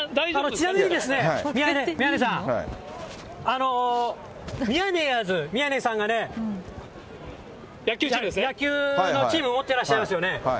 ちなみに宮根さん、ミヤネヤーズ、宮根さんがね、野球のチーム持ってらっしゃいますよね。